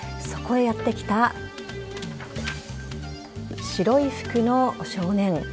そこへやってきた白い服の少年。